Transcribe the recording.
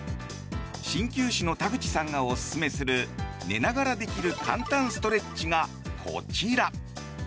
鍼灸師の田口さんがおすすめする寝ながらできる簡単ストレッチがこちら。